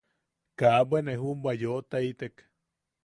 Ka bwe ne juʼubwa yoʼotaitek.